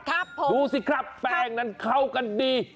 ครับผมดูสิครับแป้งนั้นเข้ากันดี